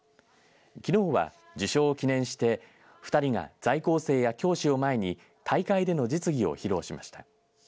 きのうは受賞を記念して２人が在校生や教師を前に大会での実技を披露しました。